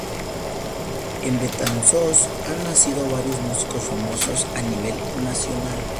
En Betanzos han nacido varios músicos famosos a nivel nacional.